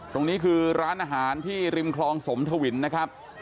ตรงนี้คือร้านอาหารที่ริมคลองสมทวินนะครับ